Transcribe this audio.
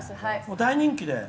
大人気で。